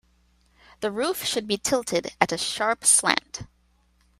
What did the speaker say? The roof should be tilted at a sharp slant.